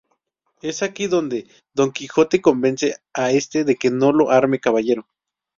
Es aquí donde Don Quijote convence a este de que lo arme caballero.